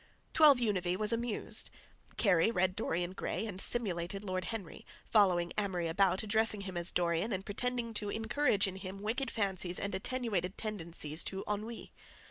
12 Univee was amused. Kerry read "Dorian Gray" and simulated Lord Henry, following Amory about, addressing him as "Dorian" and pretending to encourage in him wicked fancies and attenuated tendencies to ennui.